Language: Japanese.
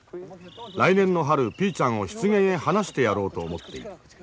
来年の春ピーちゃんを湿原へ放してやろうと思っている。